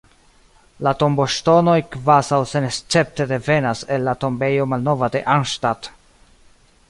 La tomboŝtonoj kvazaŭ senescepte devenas el la Tombejo malnova de Arnstadt.